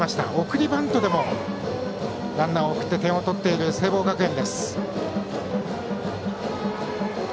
送りバントでもランナーを送って点を取っている聖望学園。